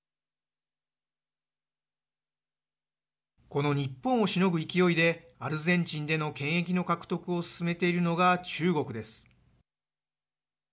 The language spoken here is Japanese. この日本をしのぐ勢いでアルゼンチンでの権益の獲得を進めているのが中国です。